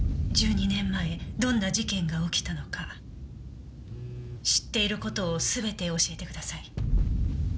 １２年前どんな事件が起きたのか知っている事を全て教えてください。